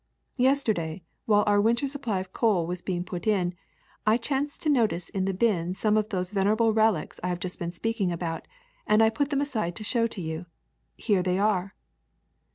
Yesterday, while our winter supply of coal was being put in, I chanced to notice in the bin some of those venerable relics I have just been speaking about, and I put them aside to show to you. Here they are.